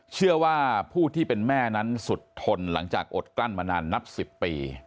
เชื่อว่าผู้ที่เป็นแม่นั้นสุดทนหลังจากอดกลั้นมานานนับ๑๐ปี